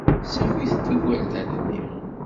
Sakit-d igerdan-nni.